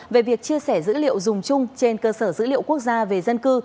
về việc chia sẻ dữ liệu dùng chung trên cơ sở dữ liệu quốc gia về dân cư